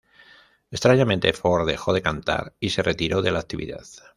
Extrañamente, Ford dejó de cantar y se retiró de la actividad.